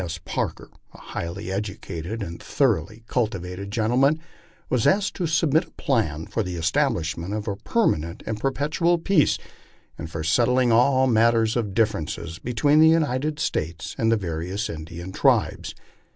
S. Parker, a highly educated and thoroughly cultivated gentleman, was asked to submit a plan for the establishment of a permanent and perpetual peace, and for settling all matters of difference between the United States and the various Indian tribes.